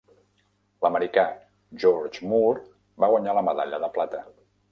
L'americà George Moore va guanyar la medalla de plata.